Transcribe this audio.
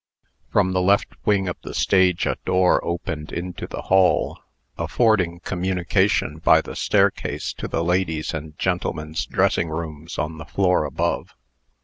From the left wing of the stage a door opened into the hall, affording communication by the staircase to the ladies' and gentlemen's dressing rooms on the floor above.